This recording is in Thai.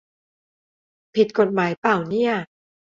ผิดกฎหมายป่าวเนี่ย